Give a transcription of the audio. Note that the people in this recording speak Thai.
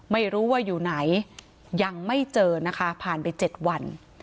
ไม่รู้ว่าอยู่ไหนยังไม่เจอนะคะผ่านไป๗วัน